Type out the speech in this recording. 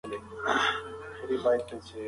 احترام د زده کړې په محیط کې لازمي دی.